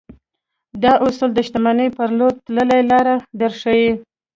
دا اصول د شتمنۍ پر لور تللې لاره درښيي.